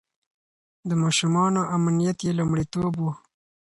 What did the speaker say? د ماشومانو امنيت يې لومړيتوب و.